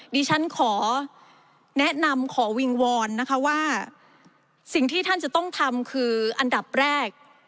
ดิฉันขอแนะนำขอวิงวอนนะคะว่าสิ่งที่ท่านจะต้องทำคืออันดับแรก